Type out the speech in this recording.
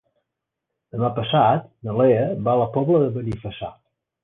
Demà passat na Lea va a la Pobla de Benifassà.